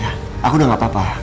aku udah enggak apa apa